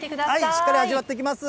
しっかり味わってきます。